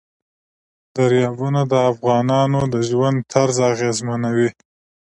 دریابونه د افغانانو د ژوند طرز اغېزمنوي.